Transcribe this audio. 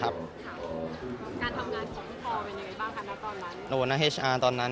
ครับการทำงานของพี่พอร์เป็นอย่างไรบ้างครับณตอนนั้น